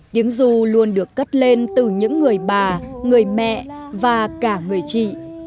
tiếng du luôn được cất lên từ những người bà người mẹ và cả người chị